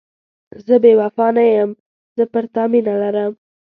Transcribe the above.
زه بې وفا نه یم، زه پر تا مینه لرم.